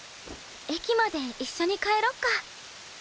駅まで一緒に帰ろっか。